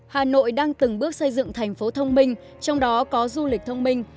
hà nội đang từng bước xây dựng thành phố thông minh trong đó có du lịch thông minh